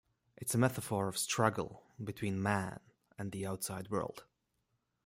It's a metaphor of struggle between man and the outside world.